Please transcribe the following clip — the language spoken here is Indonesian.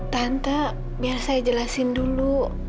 tante biar saya jelasin dulu